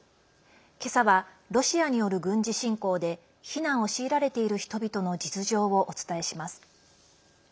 けさは、ロシアによる軍事侵攻で避難を強いられている人々の実情をお伝えします。